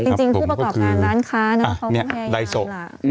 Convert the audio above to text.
จริงผู้ประกอบการร้านค้านั้นเขาพูดแค่อย่างนั้นแหละ